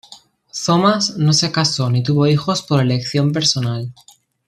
Thomas no se casó ni tuvo hijos por elección personal.